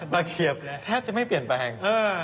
เฉียบแทบจะไม่เปลี่ยนแปลง